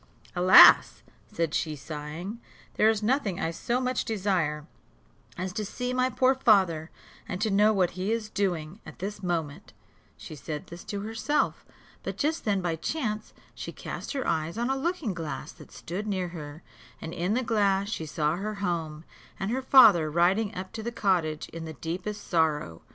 "Alas!" said she, sighing, "there is nothing I so much desire as to see my poor father and to know what he is doing at this moment," She said this to herself; but just then by chance, she cast her eyes on a looking glass that stood near her, and in the glass she saw her home, and her father riding up to the cottage in the deepest sorrow.